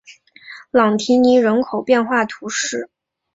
朗提尼人口变化图示